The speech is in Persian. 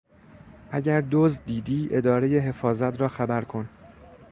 اگر دزد دیدی ادارهی حفاظت را خبر کن.